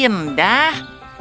ini sangat indah